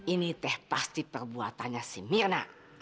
ini teh pasti perbuatannya si mirna